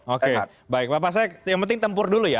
oke baik bapak saya yang penting tempur dulu ya